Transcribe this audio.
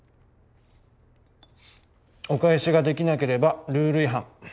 お返しができなければルール違反。